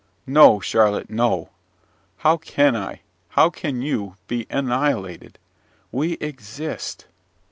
No, Charlotte, no! How can I, how can you, be annihilated? We exist.